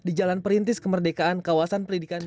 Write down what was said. di jalan perintis kemerdekaan kawasan pendidikan